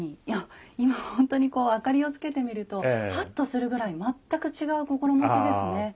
いや今ほんとにこう明かりをつけてみるとハッとするぐらい全く違う心持ちですね。